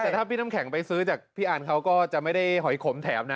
แต่ถ้าพี่น้ำแข็งไปซื้อจากพี่อันเขาก็จะไม่ได้หอยขมแถมนะ